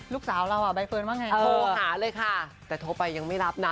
โทรหาเลยค่ะแต่โทรไปยังไม่รับนะ